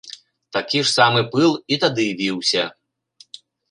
Такі ж самы пыл і тады віўся.